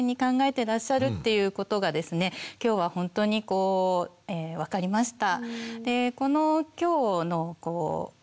てらっしゃるっていうことがですね今日は本当に分かりました。